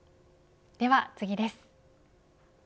では次です。